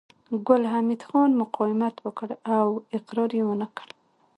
ګل حمید خان مقاومت وکړ او اقرار يې ونه کړ